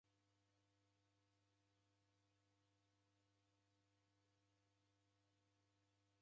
Ow'unja kila kilambo orew'usireghe kufuma kwape.